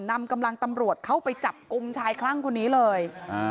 นำกำลังตำรวจเข้าไปจับกลุ่มชายคลั่งคนนี้เลย